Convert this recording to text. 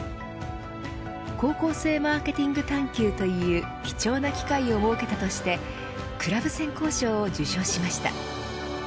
高校生マーケティング探求という貴重な機会を設けたとしてクラブ選考賞を受賞しました。